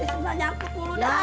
susah nyamuk lu dah